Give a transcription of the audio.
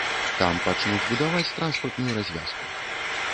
Там пачнуць будаваць транспартную развязку.